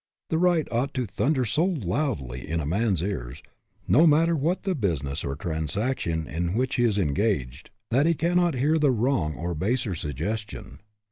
The right ought to thunder so loudly in a man's ears, no matter what the business or transaction in which he is engaged, that he 236 SUCCESS WITH A FLAW cannot hear the wrong or baser suggestion.